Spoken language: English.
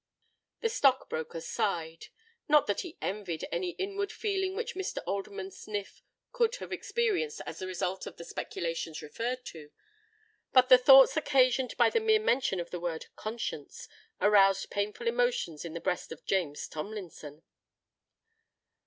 The stock broker sighed:—not that he envied any inward feelings which Mr. Alderman Sniff could have experienced as the results of the speculations referred to; but the thoughts occasioned by the mere mention of the word "Conscience" aroused painful emotions in the breast of James Tomlinson.